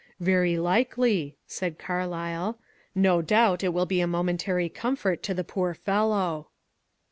" Very likely," said Carlyle ;" no doubt it will be a momentary comfort to the poor fellow."